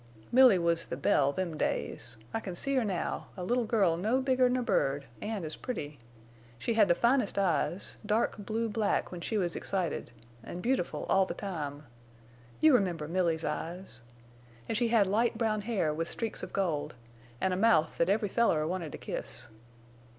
Milly was the belle them days. I can see her now, a little girl no bigger 'n a bird, an' as pretty. She had the finest eyes, dark blue black when she was excited, an' beautiful all the time. You remember Milly's eyes! An' she had light brown hair with streaks of gold, an' a mouth that every feller wanted to kiss.